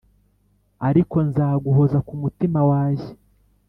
Ariko nzaguhoza kumutima wajye